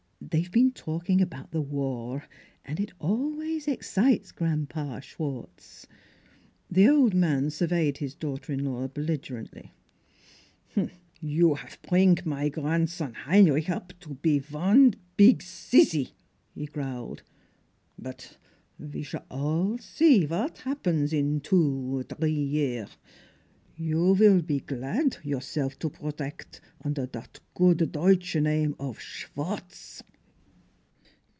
" They've been talk ing about the war, and it always excites Gran'pa Schwartz." The old man surveyed his daughter in law belligerently. " You haf pring my grandzon Heinrich up to pe von pig sissy," he growled. " But ve s'all see vat happen in two t'ree year. You vill pe glad yourself to brodect under dot good Deutsch name of Schwartz